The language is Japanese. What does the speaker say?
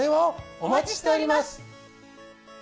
お待ちしております。